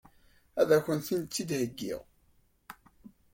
Ad kent-tent-id-iheggi?